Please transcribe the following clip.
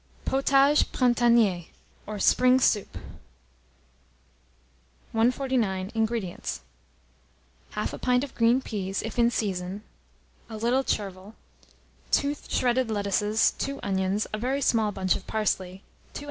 POTAGE PRINTANIER, OR SPRING SOUP. 149. INGREDIENTS. 1/2 a pint of green peas, if in season, a little chervil, 2 shredded lettuces, 2 onions, a very small bunch of parsley, 2 oz.